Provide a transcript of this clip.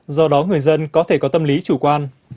do đó người dân có thể có tâm lý chủ quan